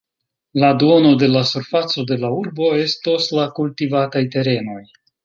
La duono de la surfaco de la urbo estos la kultivataj terenoj.